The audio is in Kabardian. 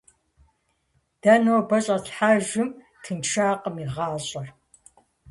Дэ нобэ щӏэтлъхьэжым тыншакъым и гъащӏэр.